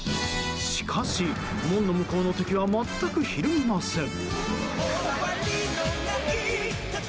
しかし、門の向こうの敵は全くひるみません。